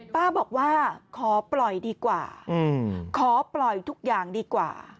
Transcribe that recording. ป้าบอกว่าขอปล่อยดีกว่าขอปล่อยทุกอย่างดีกว่า